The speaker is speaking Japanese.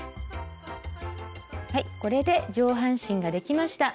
はいこれで上半身ができました。